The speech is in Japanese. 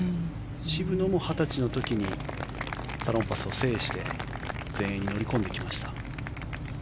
渋野も２０歳の時にサロンパスを制して全英に乗り込んできました。